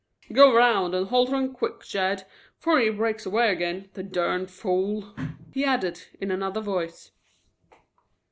"Go around and halter him quick, Jed, 'fore he breaks away again, the durned fool," he added in another voice.